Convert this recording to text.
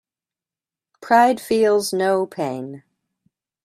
Pride feels no pain.